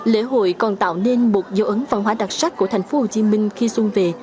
lễ hội còn tạo nên một dấu ấn văn hóa đặc sắc của thành phố hồ chí minh khi xuân về